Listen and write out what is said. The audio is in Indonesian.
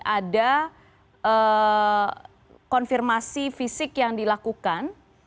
ada konfirmasi fisik yang dilakukan